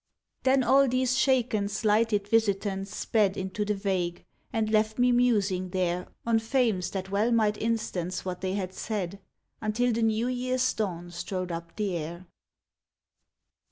Then all these shaken slighted visitants sped Into the vague, and left me musing there On fames that well might instance what they had said, Until the New Year's dawn strode up the air.